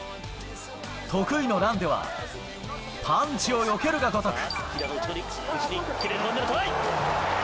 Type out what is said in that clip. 得意のランでは、パンチをよけるがごとく。